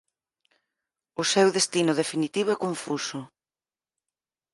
O seu destino definitivo é confuso.